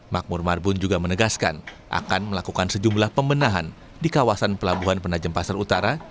makmur marbun juga menegaskan akan melakukan sejumlah pembenahan di kawasan pelabuhan penajem pasar utara